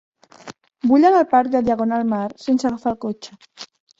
Vull anar al parc de Diagonal Mar sense agafar el cotxe.